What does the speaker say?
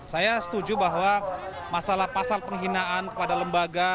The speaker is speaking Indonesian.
saya setuju bahwa masalah pasal penghinaan kepada lembaga